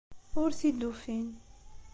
Ur t-id-ufin.